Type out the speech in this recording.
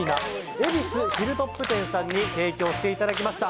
恵比寿ヒルトップ店さんに提供していただきました